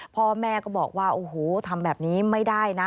พ่อแม่ก็บอกว่าโอ้โหทำแบบนี้ไม่ได้นะ